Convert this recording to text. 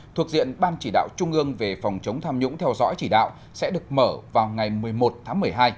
thuộc diện ban chỉ đạo trung ương về phòng chống tham nhũng theo dõi chỉ đạo sẽ được mở vào ngày một mươi một tháng một mươi hai